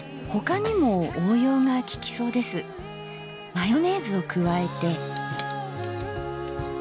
マヨネーズを加えて。